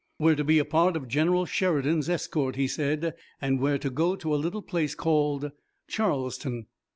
"We're to be a part of General Sheridan's escort," he said, "and we're to go to a little place called Charlestown."